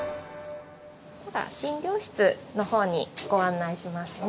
診療室のほうにご案内しますね。